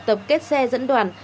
tập kết xe dẫn đoàn